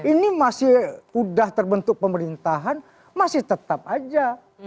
ini masih udah terbentuk pemerintahan masih tetap aja